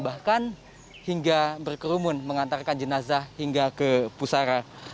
bahkan hingga berkerumun mengantarkan jenazah hingga ke pusara